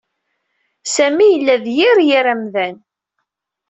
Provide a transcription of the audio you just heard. Sami yella d yir yir amdan.